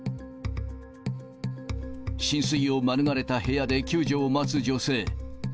浸水を免れた部屋で救助を待つ女性。